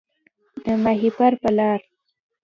د ماهیپر په لار